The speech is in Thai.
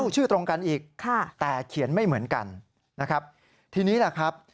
ชื่อตรงกันอีกแต่เขียนไม่เหมือนกันนะครับทีนี้แหละครับ